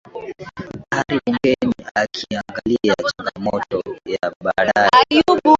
ari bungeni ukiangalia changamoto ya baadaye